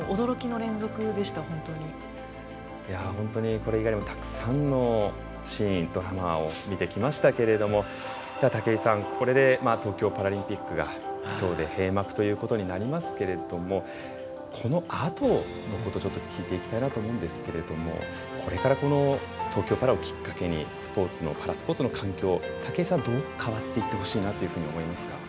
本当に、これ以外もたくさんのシーン、ドラマを見てきましたけれども武井さん、これで東京パラリンピックが、きょうで閉幕ということになりますけれどもこのあとのこと聞いていきたいなと思うんですけどこれからこの東京パラをきっかけにスポーツパラの環境、武井さんどう変わっていってほしいなと思いますか？